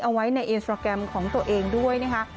เอาไว้ในอินสตราแกรมของตัวเองด้วยนะคะ